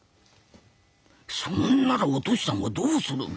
そんならお敏さんはどうする。